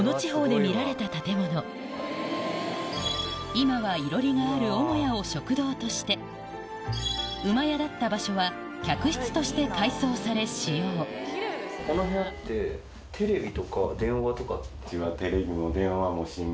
今は囲炉裏がある母屋を食堂として馬屋だった場所は客室として改装され使用この部屋ってテレビとか電話とか。